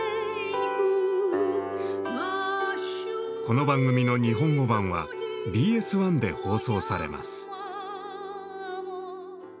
この番組の日本語版はＢＳ１で放送されます。